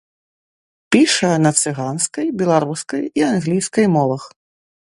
Піша на цыганскай, беларускай і англійскай мовах.